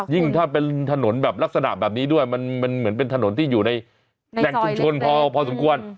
ถ้าเป็นถนนแบบลักษณะแบบนี้ด้วยมันเหมือนเป็นถนนที่อยู่ในแหล่งชุมชนพอสมควร